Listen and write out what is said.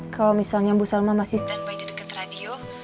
kalau misalnya bu salma masih standby di deket radio